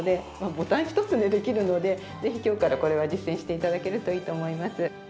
ボタン一つでできるのでぜひ今日から実践して頂けるといいと思います。